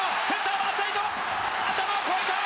頭を越えた！